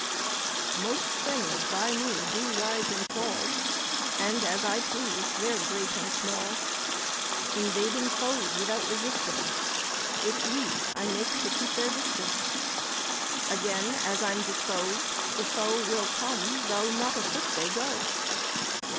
Most things by me do rise and fall, And, as I please, they're great and small; Invading foes without resistance, With ease I make to keep their distance: Again, as I'm disposed, the foe Will come, though not a foot they go.